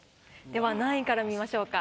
では何位から見ましょうか？